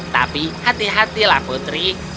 tapi hati hatilah putri